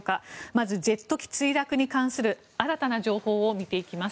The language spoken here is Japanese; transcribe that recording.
まず、ジェット機墜落に関する新たな情報を見ていきます。